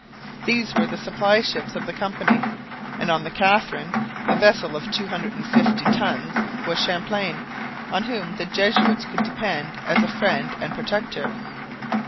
These were the supply ships of the company, and on the Catherine, a vessel of two hundred and fifty tons, was Champlain, on whom the Jesuits could depend as a friend and protector.